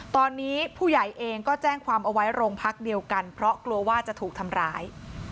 ตอนนี้ผู้ใหญ่เองก็แจ้งความเอาไว้โรงพักเดียวกันเพราะกลัวว่าจะถูกทำร้าย